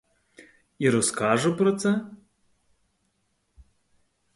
І розкажу про це?